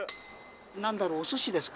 何だろうお寿司ですか？